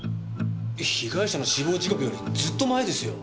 被害者の死亡時刻よりずっと前ですよ。